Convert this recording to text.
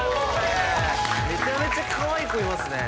めちゃめちゃカワイイ子いますね。